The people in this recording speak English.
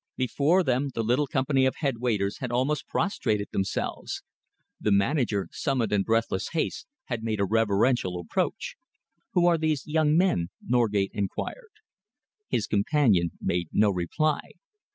Before them the little company of head waiters had almost prostrated themselves. The manager, summoned in breathless haste, had made a reverential approach. "Who are these young men?" Norgate enquired. His companion made no reply.